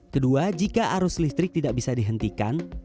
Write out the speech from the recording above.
kedua jika arus listrik tidak bisa dihentikan